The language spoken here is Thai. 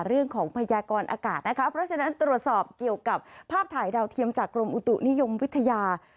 พยากรอากาศนะคะเพราะฉะนั้นตรวจสอบเกี่ยวกับภาพถ่ายดาวเทียมจากกรมอุตุนิยมวิทยา